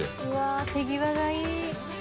うわあ手際がいい！